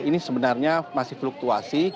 ini sebenarnya masih fluktuasi